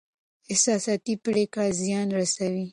احساساتي پرېکړې زيان رسوي.